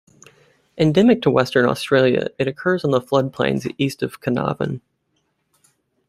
Endemic to Western Australia, it occurs on the floodplains east of Carnarvon.